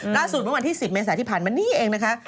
เมื่อวันที่๑๐เมษาที่ผ่านมานี้เองนะคะ